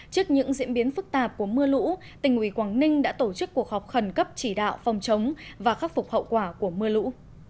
trước những diễn biến phức tạp của mưa lũ tỉnh ủy quảng ninh đã tổ chức cuộc họp khẩn cấp chỉ đạo phòng chống và khắc phục hậu quả của mưa lũ